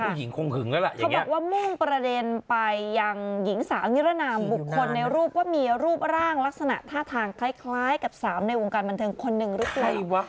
คงหึงแล้วล่ะเขาบอกว่ามุ่งประเด็นไปยังหญิงสาวนิรนามบุคคลในรูปว่ามีรูปร่างลักษณะท่าทางคล้ายกับสามในวงการบันเทิงคนหนึ่งหรือเปล่า